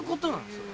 それ。